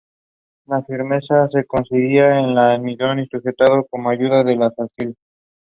Trade relations between both nations are modest.